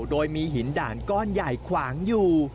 โดยมีหินด่านก้อนใหญ่ขวางอยู่